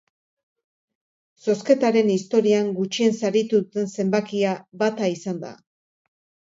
Zozketaren historian gutxien saritu duten zenbakia bata izan da.